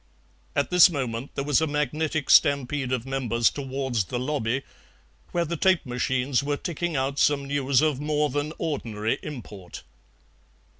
At this moment there was a magnetic stampede of members towards the lobby, where the tape machines were ticking out some news of more than ordinary import.